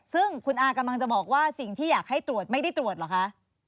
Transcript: ซึ่งคุณอากำลังจะบอกว่าสิ่งที่อยากให้ตรวจไม่ได้ตรวจเหรอคะ